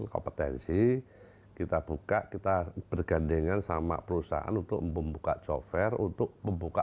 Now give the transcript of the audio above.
kompetensi kita buka kita bergandengan sama perusahaan untuk membuka joffair untuk membuka